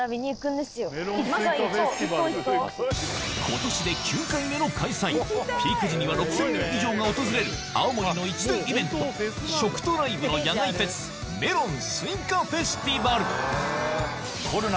今年で９回目の開催ピーク時には６０００人以上が訪れる青森の一大イベント食とライブの野外フェスメロン・スイカフェスティバル